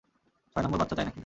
ছয় নম্বর বাচ্চা চাই নাকি?